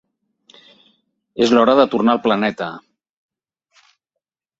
És l’hora de tornar al planeta!